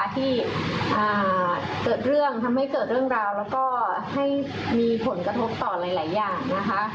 ที่เกิดเรื่องทำให้เกิดเรื่องราวแล้วก็ให้มีผลกระทบต่อหลายอย่างนะคะ